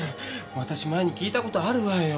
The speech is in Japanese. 私前に聞いた事あるわよ。